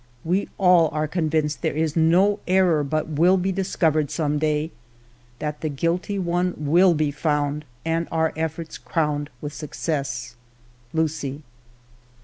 ..." We all are convinced there is no error but will be discovered some day ; that the guilty one will be found, and our efforts crowned with success. ... Lucie."